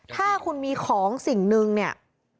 ถ้าคุณมีของสิ่งหนึ่งเนี่ย